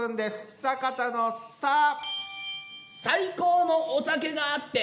最高のお酒があって。